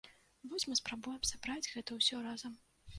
Вось мы спрабуем сабраць гэта ўсё разам.